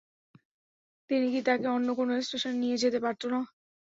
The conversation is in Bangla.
তিনি কী তাকে অন্য কোনও স্টেশনে নিয়ে যেতে পারত না?